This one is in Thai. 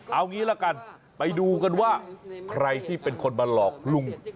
เอางี้ละกันไปดูกันว่าใครที่เป็นคนมาหลอกลุง